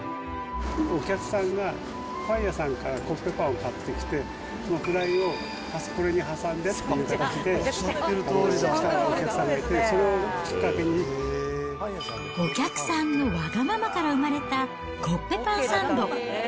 お客さんがパン屋さんからコッペパンを買ってきて、そのフライをこれに挟んでって来たお客さんがいて、それをきっかお客さんのわがままから生まれた、コッペパンサンド。